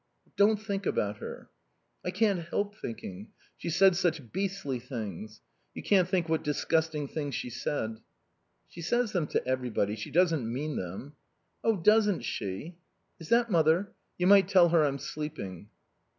"Don't think about her." "I can't help thinking. She said such beastly things. You can't think what disgusting things she said." "She says them to everybody. She doesn't mean them." "Oh, doesn't she!... Is that mother? You might tell her I'm sleeping."